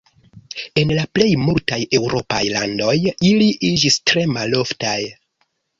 En la plej multaj eŭropaj landoj ili iĝis tre maloftaj.